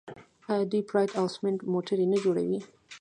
آیا دوی پراید او سمند موټرې نه جوړوي؟